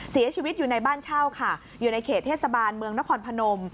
เสียชีวิตอยู่ในบ้านเช่าค่ะอยู่ในเขตเทศบาลเมืองนครพนม